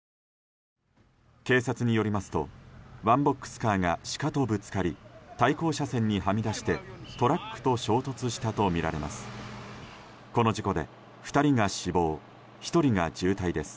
警察によりますとワンボックスカーがシカとぶつかり対向車線にはみ出してトラックと衝突したとみられます。